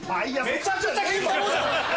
めちゃくちゃ金太郎じゃん。